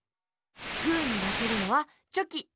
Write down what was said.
グーにまけるのはチョキ！